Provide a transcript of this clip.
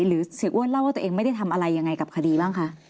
หรือเสียอ้วนเล่าว่าตัวเองไม่ได้ทำอะไรยังไงกับคดีบ้างคะ